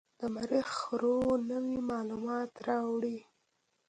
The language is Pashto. د مریخ روور نوې معلومات راوړي.